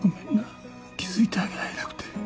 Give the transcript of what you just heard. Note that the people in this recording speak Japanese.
気付いてあげられなくて。